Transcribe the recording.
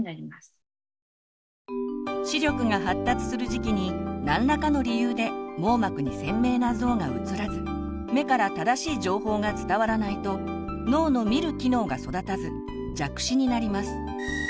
視力が発達する時期に何らかの理由で網膜に鮮明な像がうつらず目から正しい情報が伝わらないと脳の「見る」機能が育たず弱視になります。